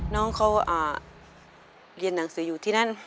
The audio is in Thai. น้องเขาเรียนหนังสืออยู่ที่นั่น